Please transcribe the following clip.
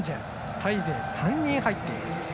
タイ勢３人入っています。